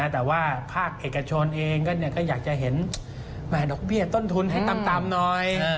แต่ว่าภาคเอกชนเองก็อยากจะเห็นดอกเบี้ยต้นทุนให้ต่ำหน่อย